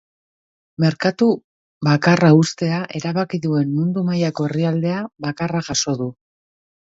Merkatu bakarra uztea erabaki duen mundu mailako herrialdea bakarra jaso du.